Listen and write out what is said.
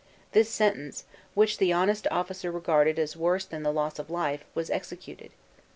This sentence, which the honest officer regarded as worse than the loss of life, was executed.